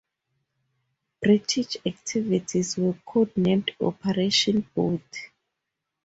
British activities were codenamed "Operation Boot".